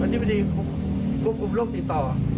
ธิบดีควบคุมโรคติดต่อ